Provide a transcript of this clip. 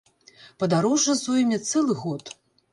Падарожжа зойме цэлы год.